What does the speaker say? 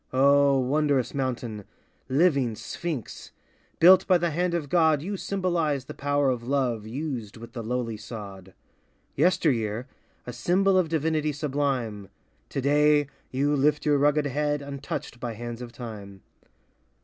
O Wondrous mountain — living Sphinx! Built by the hand of God, You symbolize the power of Love Used with the lowly sod. Yesteryear, a symbol of divinity sublime, Today, you lift your rugged head Untouched by hands of time.